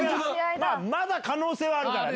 まだ可能性はあるからね。